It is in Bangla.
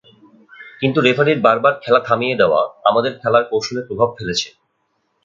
কিন্তু রেফারির বারবার খেলা থামিয়ে দেওয়া আমাদের খেলার কৌশলে প্রভাব ফেলেছে।